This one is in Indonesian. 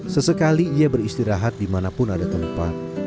sesekali ia beristirahat dimanapun ada tempat